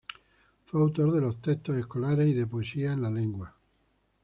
Fue autor de los textos escolares y de poesía en la lengua.